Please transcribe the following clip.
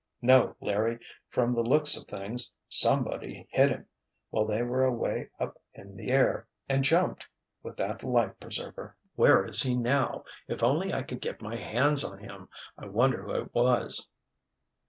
"No, Larry, from the looks of things—somebody hit him, while they were away up in the air, and jumped—with that life preserver." "Where is he now? If only I could get my hands on him. I wonder who it was?"